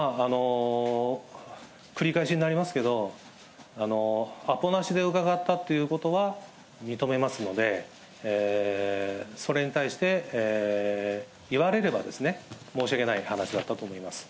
繰り返しになりますけど、アポなしで伺ったということは認めますので、それに対して、言われれば、申し訳ない話だったと思います。